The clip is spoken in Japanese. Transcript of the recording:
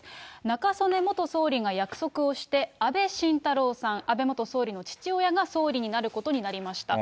中曽根元総理が約束をして、安倍晋太郎さん、安倍元総理の父親が総理になることになりました。